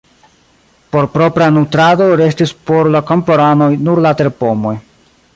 Por propra nutrado restis por la kamparanoj nur la terpomoj.